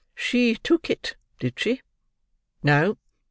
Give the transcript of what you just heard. "She took it, did she?" "No.